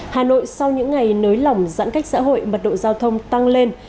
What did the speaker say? hà nội sau những ngày nới lỏng giãn cách xã hội mật độ giao thông tăng lên